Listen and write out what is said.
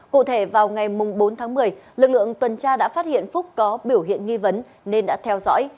cụ thể vào ngày bốn tháng một mươi lực lượng tuần tra đã phát hiện phúc có biểu hiện nghi vấn nên đã theo dõi